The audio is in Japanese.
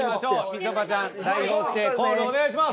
みちょぱちゃん代表してコールお願いします。